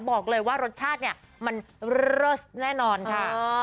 บอกเลยว่ารสชาติเนี่ยมันเลิศแน่นอนค่ะ